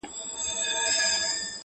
له کلونو دغه آش دغه کاسه وه؛